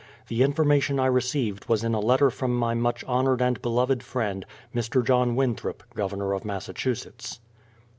The information I received was in a letter from my much honoured and be loved friend, Mr. John Winthrop, Governor of Massachu setts.